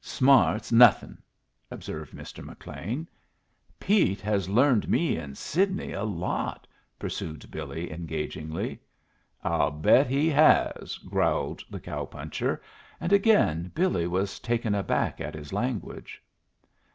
"Smart's nothin'," observed Mr. McLean. "Pete has learned me and Sidney a lot," pursued Billy, engagingly. "I'll bet he has!" growled the cow puncher; and again Billy was taken aback at his language.